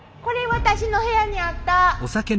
これ私の部屋にあった！